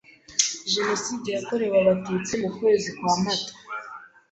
Jenoside yakorewe Abatutsi mu kwezi kwa mata